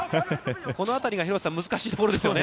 この辺りが、廣瀬さん、難しいところですよね。